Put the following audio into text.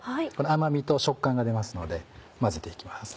甘みと食感が出ますので混ぜて行きます。